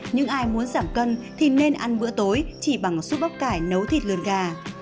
nhưng ai muốn giảm cân thì nên ăn bữa tối chỉ bằng súp bắp cải nấu thịt lươn gà